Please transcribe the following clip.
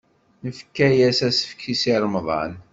Nefka-as asefk i Si Remḍan.